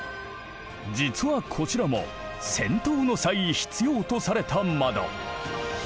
実はこちらも戦闘の際必要とされた窓。